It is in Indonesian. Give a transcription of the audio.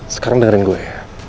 sekarang dengerin gue